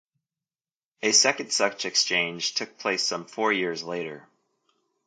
A second such exchange took place some four years later.